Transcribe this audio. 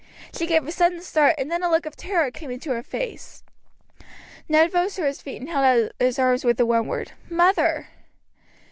She gave a sudden start, and then a look of terror came into her face. Ned rose to his feet and held out his arms with the one word "Mother!"